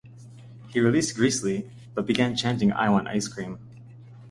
He released Greasley, but began chanting "I want ice cream".